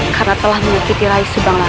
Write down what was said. karena telah menikmati rai subangara